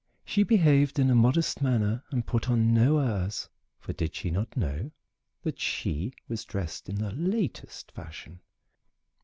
She behaved in a modest manner and put on no airs, for did she not know that she was dressed in the latest fashion?